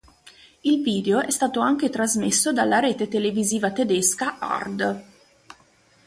Il video è stato anche trasmesso dalla rete televisiva tedesca Ard.